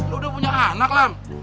lo udah punya anak lam